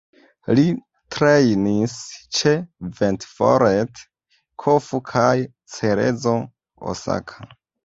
Li trejnis ĉe Ventforet Kofu kaj Cerezo Osaka.